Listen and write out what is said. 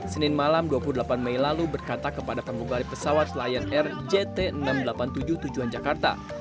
senin malam dua puluh delapan mei lalu berkata kepada penggugari pesawat lion air jt enam ratus delapan puluh tujuh tujuan jakarta